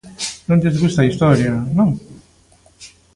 ¿Non lles gusta a historia, non?